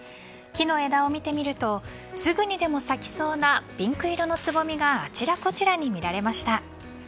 木の枝を見てみるとすぐにでも咲きそうなピンク色のつぼみがあちらこちらに見られました。